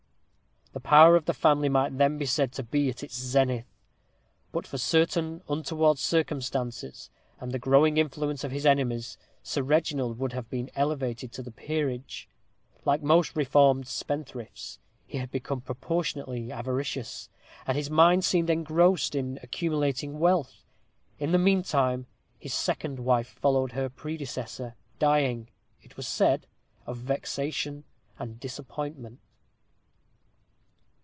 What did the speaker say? The power of the family might then be said to be at its zenith; and but for certain untoward circumstances, and the growing influence of his enemies, Sir Reginald would have been elevated to the peerage. Like most reformed spend thrifts, he had become proportionately avaricious, and his mind seemed engrossed in accumulating wealth. In the meantime, his second wife followed her predecessor, dying, it was said, of vexation and disappointment.